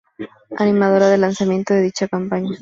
Animadora del lanzamiento de dicha campaña.